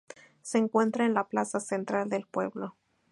Se encuentra en la plaza central del pueblo.